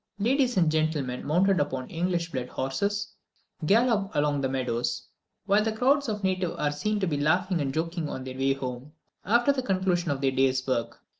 Ladies and gentlemen mounted upon English blood horses gallop along the meadows, while crowds of natives are to be seen laughing and joking on their way home, after the conclusion of their day's work.